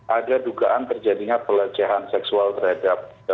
ada dugaan terjadinya pelecehan seksual terhadap